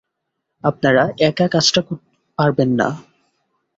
আপনারা একা কাজটা পারবেন না।